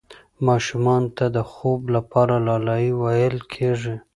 ماشومانو ته د خوب لپاره لالايي ویل کېږي.